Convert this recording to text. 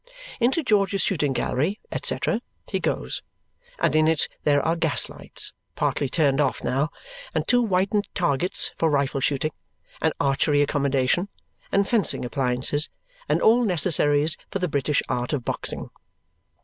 Into George's Shooting Gallery, &c., he goes; and in it there are gaslights (partly turned off now), and two whitened targets for rifle shooting, and archery accommodation, and fencing appliances, and all necessaries for the British art of boxing.